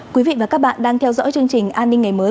quý vị và các bạn đang theo dõi chương trình an ninh ngày mới